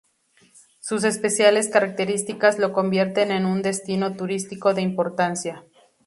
Sus especiales características lo convierten en un destino turístico de importancia.